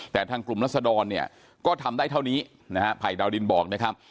แต่ทางกลุ่มรัศดรเนี่ยก็ทำได้เท่านี้นะฮะภัยดาวดินบอกนะครับ